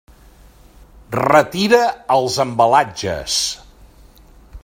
Retira els embalatges.